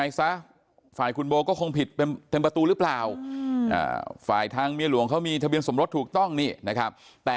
หรือเปล่าฝ่ายทางเมียหลวงคือมีทะเบียนสมรถถูกต้องนี่นะครับ